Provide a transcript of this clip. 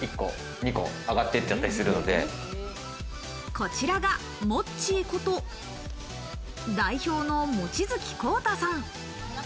こちらがもっちーこと代表の望月虹太さん。